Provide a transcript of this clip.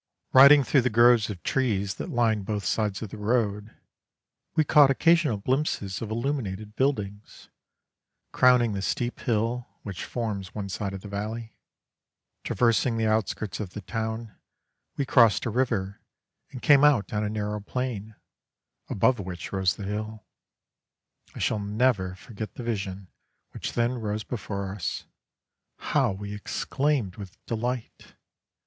Riding through the groves of trees that lined both sides of the road, we caught occasional glimpses of illuminated buildings, crowning the steep hill which forms one side of the valley. Traversing the outskirts of the town, we crossed a river and came out on a narrow plain, above which rose the hill. I shall never forget the vision which then rose before us. How we exclaimed with delight!